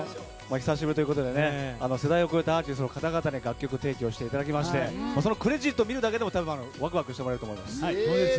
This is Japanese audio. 久しぶりということで世代を超えたアーティストの方々に楽曲提供していただきましてクレジットを見るだけでもワクワクしてもらえると思います。